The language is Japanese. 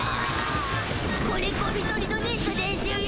これゴミ取りのネットでしゅよ。